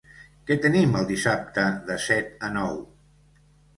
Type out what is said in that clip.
Què tenim el dissabte de set a nou?